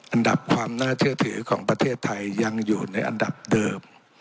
อันดับความน่าเชื่อถือของประเทศไทยยังอยู่ในอันดับเดิม